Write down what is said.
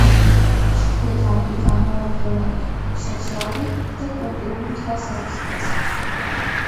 ჩრდილოეთ ამერიკა მრავალფეროვანია სოციალური და კულტურული თვალსაზრისითაც.